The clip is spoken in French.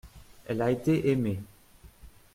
Elle a été aimée.